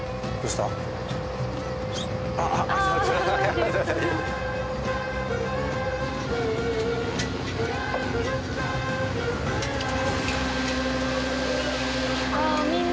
ああみんな。